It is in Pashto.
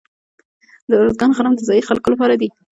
د ارزګان غنم د ځايي خلکو لپاره دي.